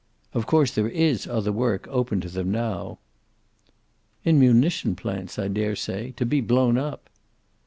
Of course there is other work open to them now." "In munition plants, I daresay. To be blown up!"